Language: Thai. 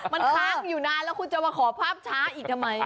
มันค้างอยู่นานแล้วคุณจะมาขอภาพช้าอีกทำไม